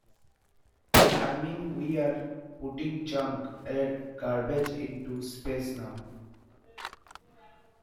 I mean we're putting junk, er, garbage into space now.